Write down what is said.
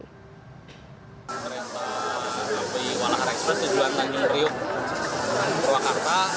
kereta api walaharekspres di jualan tanjung riu rewakarta